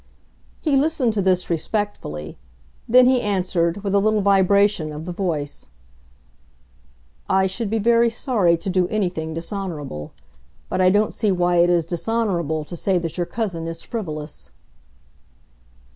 He listened to this respectfully; then he answered, with a little vibration of the voice, "I should be very sorry to do anything dishonorable. But I don't see why it is dishonorable to say that your cousin is frivolous."